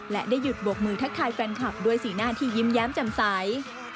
และได้หยุดบวกมือทักทายแฟนคลับด้วยสีหน้าที่ยิ้มแย้มจำใส